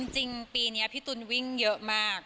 จริงปีนี้พี่ตุ๋นวิ่งเยอะมาก